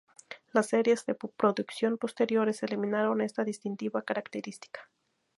Las series de producción posteriores eliminaron esta distintiva característica.